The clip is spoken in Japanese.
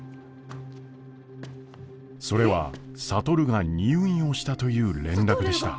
それは智が入院をしたという連絡でした。